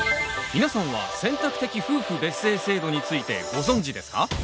皆さんは選択的夫婦別姓制度についてご存じですか？